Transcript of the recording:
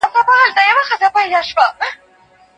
د لور شکايت اورېدل او تحقيق کول د هوښيارانو کار دی.